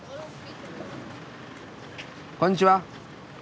こんにちは。